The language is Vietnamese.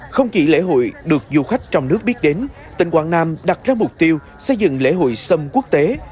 không chỉ lễ hội được du khách trong nước biết đến tỉnh quảng nam đặt ra mục tiêu xây dựng lễ hội sâm quốc tế